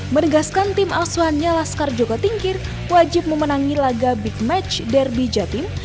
meregaskan tim asuhannya laskar joko tingkir wajib memenangi laga big match derby jatim